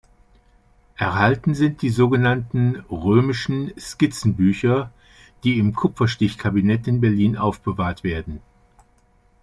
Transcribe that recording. Erhalten sind die sogenannten "Römischen Skizzenbücher", die im Kupferstichkabinett in Berlin aufbewahrt werden.